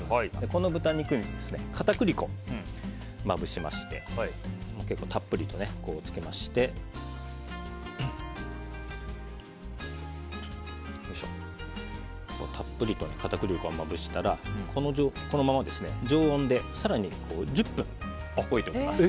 この豚肉に片栗粉をまぶしましてたっぷりとつけましてたっぷりと片栗粉をまぶしたらこのまま、常温で更に１０分置いておきます。